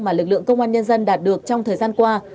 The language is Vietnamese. mà lực lượng công an nhân dân đạt được trong thời gian qua